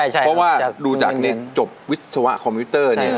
เพราะว่าดูในจบวิศวะคอมพิวเดอร์